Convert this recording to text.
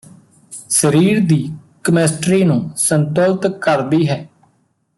ਸਰੀਰ ਦੀ ਕਮਿਸਟਰੀ ਨੂੰ ਸੰਤੁਲਤ ਕਰਦੀ ਹੈ